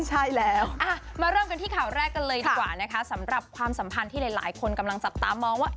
ใช่แล้วมาเริ่มกันที่ข่าวแรกกันเลยดีกว่านะคะสำหรับความสัมพันธ์ที่หลายคนกำลังจับตามองว่า